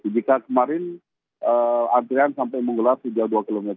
jika kemarin antrian sampai mengelap sejauh dua km